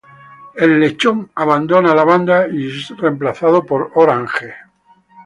Le Lechón abandona la banda y es remplazado por Orange.